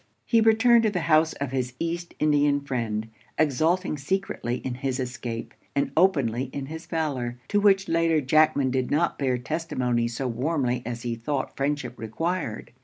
He returned to the house of his East Indian friend, exulting secretly in his escape, and openly in his valour, to which latter Jackman did not bear testimony so warmly as he thought friendship required.